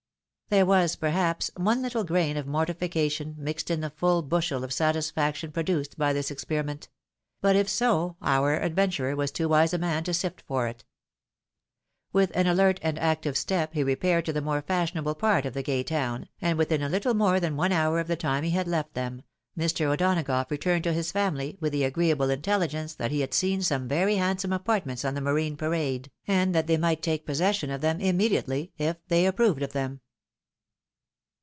'there was, perhaps, one little grain of mortification, mixed in the full bushel of satisfaction produced by this experiment ; but if so, our adventurer was too wise a man to sift for it. With an alert and active step he repaired to the more fashion able part of the gay town, and within a Kttle more than one hour of the time he had left them, Mr. O'Donagough returned to his family with the agreeable intelhgence that he had seen some very handsome apartments on the Marine Parade, and that they might take possession of them immediately, if they approved of them.